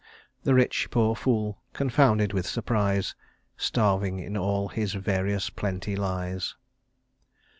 The rich poor fool, confounded with surprise, Starving in all his various plenty lies."